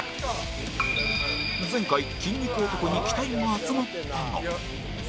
前回筋肉男に期待が集まったが